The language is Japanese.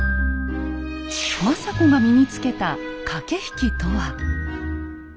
政子が身につけた駆け引きとは？